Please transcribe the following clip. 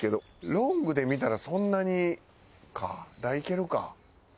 ロングで見たらそんなにか。いけるか。